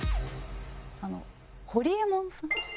ホリエモンさん。